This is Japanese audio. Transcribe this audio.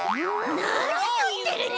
なにいってるち！